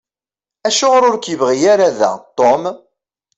Acuɣeṛ ur k-yebɣi ara da Tom?